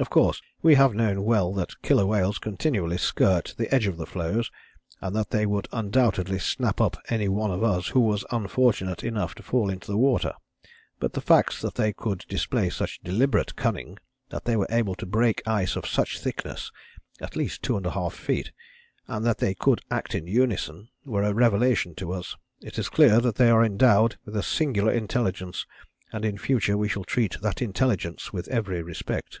"Of course, we have known well that killer whales continually skirt the edge of the floes and that they would undoubtedly snap up any one who was unfortunate enough to fall into the water; but the facts that they could display such deliberate cunning, that they were able to break ice of such thickness (at least 2½ feet), and that they could act in unison, were a revelation to us. It is clear that they are endowed with singular intelligence, and in future we shall treat that intelligence with every respect."